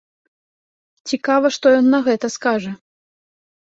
Цікава, што ён на гэта скажа.